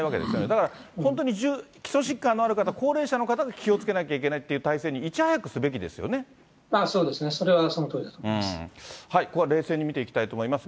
だから本当に基礎疾患のある方、高齢者の方は気をつけなきゃいけないという体制にいち早くすべきそうですね、それはそのとおりだと思います。